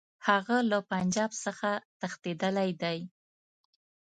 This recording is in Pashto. هغه له پنجاب څخه تښتېدلی دی.